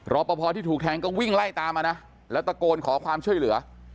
รอปภที่ถูกแทงก็วิ่งไล่ตามมานะแล้วตะโกนขอความช่วยเหลือ